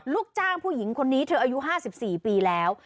ลูกจ้างผู้หญิงคนนี้เธออายุ๕๔ปีแล้ว